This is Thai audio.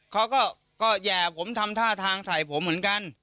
เขาก็แห่ผมทำท่าทางใส่ผมเหมือนกัน